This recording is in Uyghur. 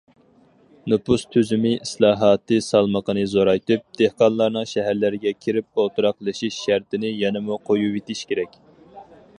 نوپۇس تۈزۈمى ئىسلاھاتى سالمىقىنى زورايتىپ، دېھقانلارنىڭ شەھەرلەرگە كىرىپ ئولتۇراقلىشىش شەرتىنى يەنىمۇ قويۇۋېتىش كېرەك.